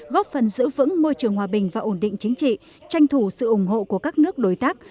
góp phần giữ vững môi trường hòa bình và ổn định chính trị tranh thủ sự ủng hộ của các nước đối tác